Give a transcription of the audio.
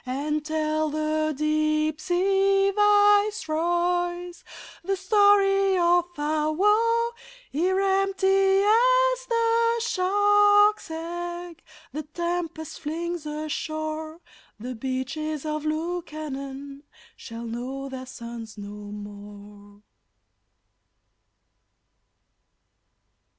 And tell the Deep Sea Viceroys the story of our woe; Ere, empty as the shark's egg the tempest flings ashore, The Beaches of Lukannon shall know their sons no more!